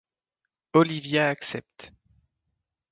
Olivia accepte.